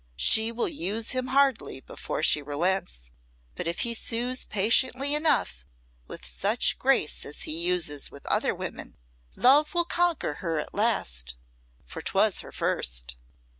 She will use him hardly before she relents; but if he sues patiently enough with such grace as he uses with other women, love will conquer her at last, for 'twas her first."